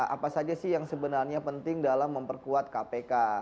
apa saja sih yang sebenarnya penting dalam memperkuat kpk